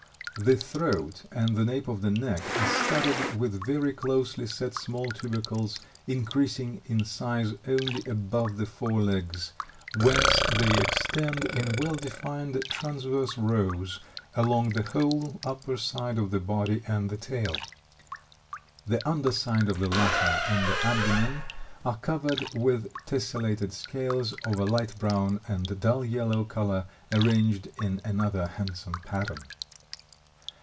The throat and the nape of the neck are studded with very closely set small tubercles, increasing in size only above the forelegs, whence they extend in well defined, transverse rows along the whole upper side of the body and the tail. The under side of the latter and the abdomen are covered with tessellated scales of a light brown and dull yellow color arranged in another handsome pattern.